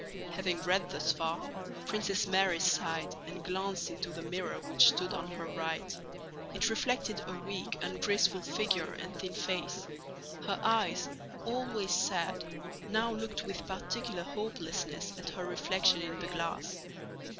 Having read thus far, Princess Mary sighed and glanced into the mirror which stood on her right. It reflected a weak, ungraceful figure and thin face. Her eyes, always sad, now looked with particular hopelessness at her reflection in the glass.